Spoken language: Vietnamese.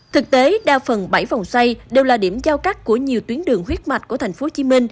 thực tế đa phần bảy vòng xoay đều là điểm giao cắt của nhiều tuyến đường huyết mạch của tp hcm